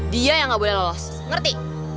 dia yang gak boleh lolos ngerti